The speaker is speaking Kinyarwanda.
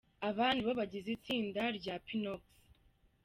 Aba nibo bagize itsinda rya Pinoxy.